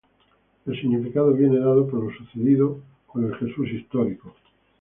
El significado viene dado por lo sucedido con el Jesús histórico.